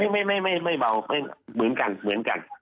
ไม่เบาเหมือนกันเหมือนกัน